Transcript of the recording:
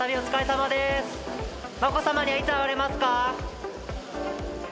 まこさまにはいつ会われますか？